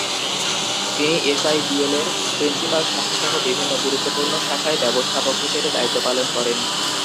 তিনি এসআইবিএলের প্রিন্সিপাল শাখাসহ বিভিন্ন গুরুত্বপূর্ণ শাখায় ব্যবস্থাপক হিসেবে দায়িত্ব পালন করেন।